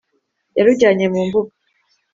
Yarujyanye mu mbuga